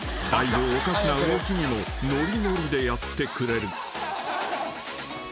［だいぶおかしな動きにもノリノリでやってくれる］